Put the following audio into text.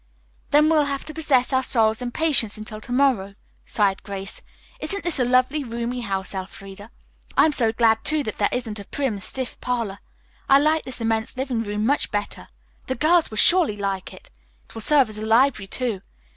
"Then we'll have to possess our souls in patience until to morrow," sighed Grace. "Isn't this a lovely, roomy house, Elfreda? I'm so glad, too, that there isn't a prim, stiff parlor. I like this immense living room much better. The girls will surely like it. It will serve as a library too.